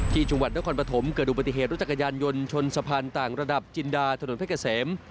ที่จุงวัดนครปฐมเกิดดูปฏิเหตุรถจักรยานยนต์ชนสะพานต่างระดับจินดาถนนเทศกาเสม